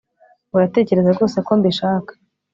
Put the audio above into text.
Uratekereza rwose ko mbishaka